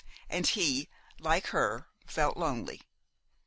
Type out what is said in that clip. And he, like her, felt lonely.